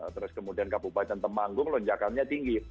terus kemudian kabupaten temanggung lonjakannya tinggi